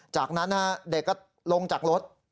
จากนั้นเด็กก็ลงจากรถ